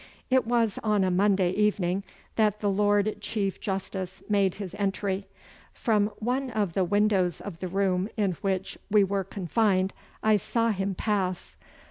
It was on a Monday evening that the Lord Chief Justice made his entry. From one of the windows of the room in which we were confined I saw him pass.